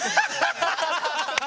ハハハハハ。